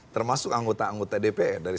termasuk anggota anggota dpr dari